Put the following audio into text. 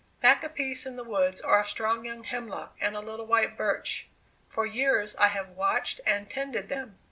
Back a piece in the woods are a strong young hemlock and a little white birch. For years I have watched and tended them.